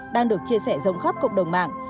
đang được chia sẻ rộng khắp cộng đồng mạng